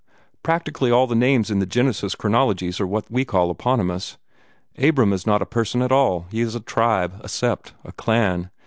Practically all the names in the Genesis chronologies are what we call eponymous. Abram is not a person at all: he is a tribe, a sept, a clan.